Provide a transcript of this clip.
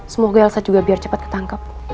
semoga elsa juga biar cepet ketangkep